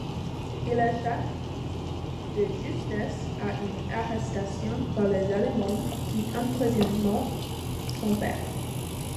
Il échappe de justesse à une arrestation par les Allemands qui emprisonnent son père.